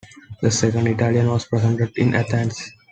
A second Italian was present in Athens.